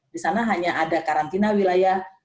di sana hanya ada karantina wilayah